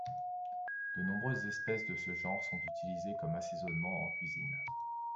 De nombreuses espèces de ce genre sont utilisées comme assaisonnement en cuisine.